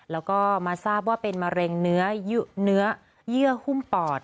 แล้วก็มาทราบว่าเป็นมะเร็งเนื้อเยื่อหุ้มปอด